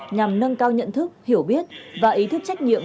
nhằm nâng cao nhận thức hiểu biết và ý thức trách nhiệm